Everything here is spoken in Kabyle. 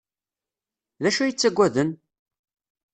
D acu ay ttaggaden?